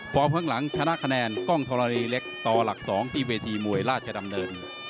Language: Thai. ข้างหลังชนะคะแนนกล้องธรณีเล็กต่อหลัก๒ที่เวทีมวยราชดำเนิน